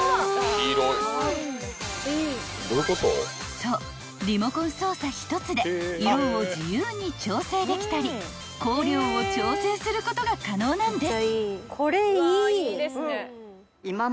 ［そうリモコン操作１つで色を自由に調整できたり光量を調整することが可能なんです］